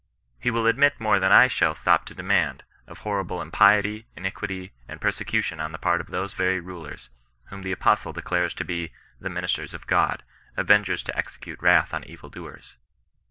He will admit more than I shall stop to demand, of horrible impiety, iniquity, and perse cution on the part of those very rulers, whom the apostle declares to be the " ministers of God — avengers to exe cute wrath on evil doers."